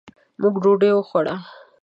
موږ ډوډۍ وخوړه.